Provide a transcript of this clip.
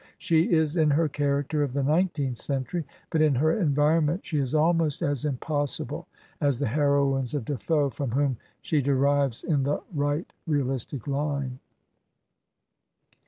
She is, in her character, of the nineteenth century, but in her environment she is almost as impossible as the hero ines of De Foe, from whom she derives in the right real istic Hne.